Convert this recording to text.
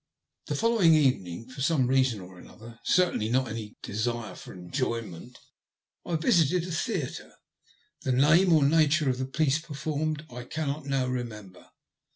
The following evening, for some reason or another, certainly not any desire for enjoyment, I visited a theatre. The name or nature of the piece performed I cannot now remember.